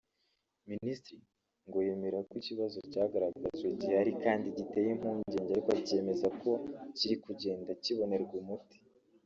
Minisitiri ngo yemera ko ikibazo cyagaragajwe gihari kandi giteye impungenge ariko akemeza ko kiri kugenda kibonerwa umuti